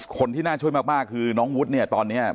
คนที่น่าช่วยมากคือน้องวุฒิเนี่ยตอนนี้